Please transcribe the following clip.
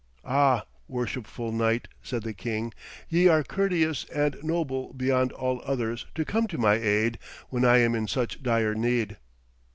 'Ah, worshipful knight,' said the king, 'ye are courteous and noble beyond all others to come to my aid when I am in such dire need.'